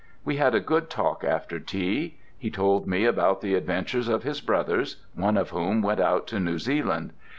We had a good talk after tea—he told me about the adventures of his brothers, one of whom went out to New Zealand.